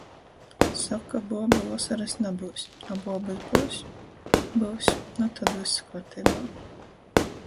Soka - buobu vosorys nabyus... A buobys byus? Byus! Nu tod vyss kuorteibā!